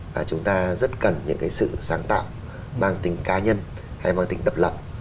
và chúng ta rất cần những cái sự sáng tạo mang tính cá nhân hay mang tính độc lập